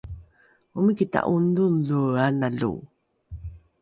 omiki ta’ongdhoongdhoe analo